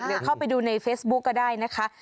หรือเข้าไปดูในเฟซบุ๊คก็ได้นะคะ